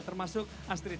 termasuk astrid tia